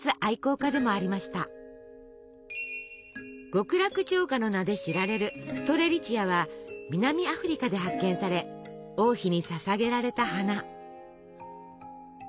「極楽鳥花」の名で知られるストレリチアは南アフリカで発見され王妃にささげられた花。